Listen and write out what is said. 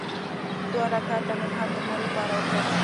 دوه رکعته مې هم د مور لپاره وکړل.